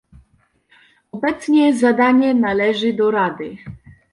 Obecnie zadanie należy do Rady